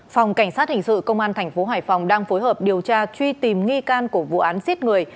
phòng cảnh sát hình sự công an tp hải phòng đang phối hợp điều tra truy tìm nghi can của vụ án giết người